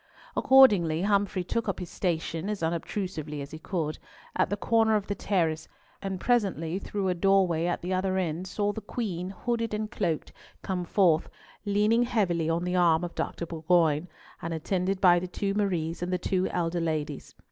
Accordingly, Humfrey took up his station, as unobtrusively as he could, at the corner of the terrace, and presently, through a doorway at the other end saw the Queen, hooded and cloaked, come forth, leaning heavily on the arm of Dr. Bourgoin, and attended by the two Maries and the two elder ladies.